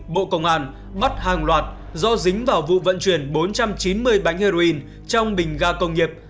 bộ công an bắt hàng loạt do dính vào vụ vận chuyển bốn trăm chín mươi bánh heroin trong bình ga công nghiệp